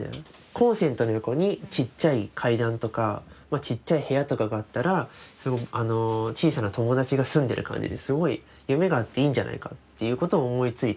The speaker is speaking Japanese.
コンセントの横にちっちゃい階段とかちっちゃい部屋とかがあったら小さな友達が住んでる感じですごい夢があっていいんじゃないかということを思いついて。